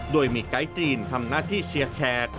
โดยมีไกด์จีนทำหน้าที่เชียร์แขก